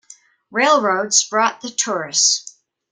Railroads brought the tourists.